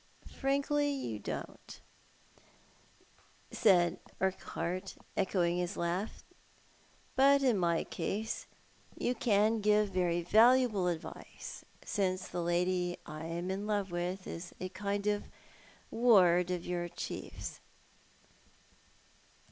"Frankly, you don't," said Urquhart, echoing his laugh, " but in my case you can give very valuable advice, since thg lady I am in love with is a kind of ward of your chief's."